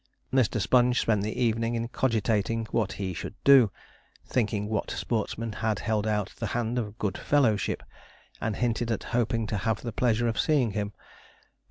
Mr. Sponge spent the evening in cogitating what he should do thinking what sportsmen had held out the hand of good fellowship, and hinted at hoping to have the pleasure of seeing him.